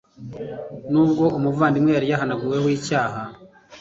nubwo umuvandimwe yari yahanaguweho icyaha